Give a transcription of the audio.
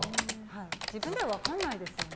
自分では分からないですよね。